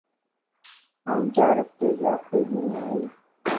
آچار ھفتي جو آخري ڏينھن ائي